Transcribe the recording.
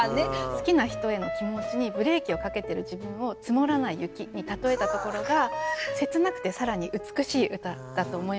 好きな人への気持ちにブレーキをかけてる自分を「積もらない雪」に例えたところが切なくて更に美しい歌だと思いました。